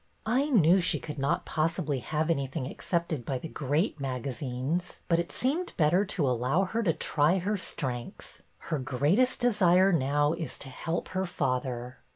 '' I knew she could not possibly have anything accepted by the great magazines, but it seemed better to allow her to try her strength. Her greatest desire now is to help her father."